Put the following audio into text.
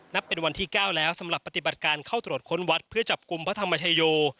นับเป็นวันที่๙แล้วสำหรับปฏิบัติการเข้าตรวจค้นวัดเพื่อจับกลุ่มพระธรรมชโย